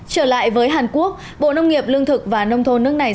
trở lại với hàn quốc bộ nông nghiệp lương thực và nông thôn nước này